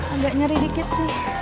agak nyeri dikit sih